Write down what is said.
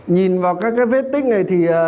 nhìn vào các vết tích này thì